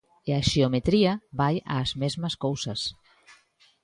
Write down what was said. E a xeometría vai ás mesmas cousas.